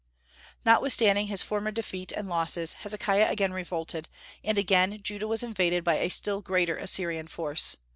Notwithstanding his former defeat and losses, Hezekiah again revolted, and again was Judah invaded by a still greater Assyrian force.